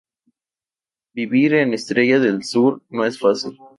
Vivir en Estrella del Sur no es fácil.